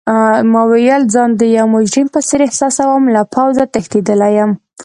ما وویل: ځان د یو مجرم په څېر احساسوم، له پوځه تښتیدلی یم.